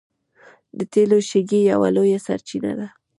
د تیلو شګې یوه لویه سرچینه ده.